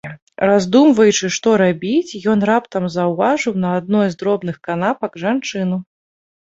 Раздумваючы, што рабіць, ён раптам заўважыў на адной з дробных канапак жанчыну.